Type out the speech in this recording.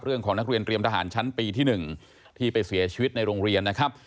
เรื่องของนักเรียนเตรียมทหารชั้นปีที่๑ที่ไปเสียชีวิตในโรงเรียนนะครับ